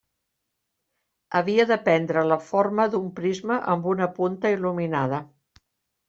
Havia de prendre la forma d'un prisma amb una punta il·luminada.